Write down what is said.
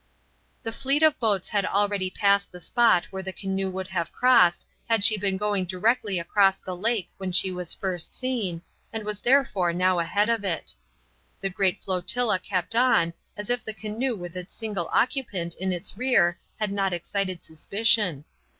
The fleet of boats had already passed the spot where the canoe would have crossed had she been going directly across the lake when she was first seen, and was therefore now ahead of it. The great flotilla kept on as if the canoe with its single occupant in its rear had not excited suspicion.